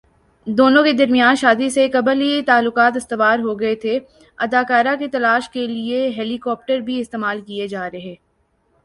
دونوں کے درمیان شادی سے قبل ہی تعلقات استوار ہوگئے تھےاداکارہ کی تلاش کے لیے ہیلی کاپٹرز بھی استعمال کیے جا رہے